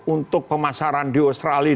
untuk pemasaran di australia